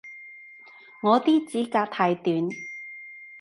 我啲指甲太短